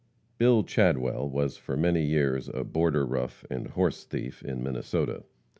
Bill Chadwell was for many years a border rough and horse thief in Minnesota.